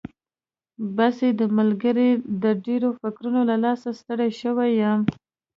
بس یې ده ملګري، د ډېرو فکرونو له لاسه ستړی شوی یم.